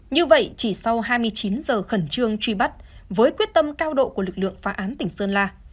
như vậy chỉ sau hai mươi chín giờ khẩn trương truy bắt với quyết tâm cao độ của lực lượng phá án tỉnh sơn la